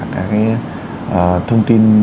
các thông tin